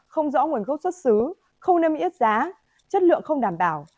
không rõ nguồn gốc xuất xứ không nên bị ít giá chất lượng không đảm bảo